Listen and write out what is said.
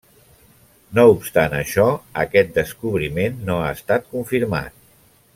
No obstant això, aquest descobriment no ha estat confirmat.